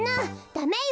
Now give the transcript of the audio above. ダメよ。